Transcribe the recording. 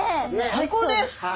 最高です！